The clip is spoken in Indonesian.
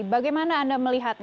bagaimana anda melihatnya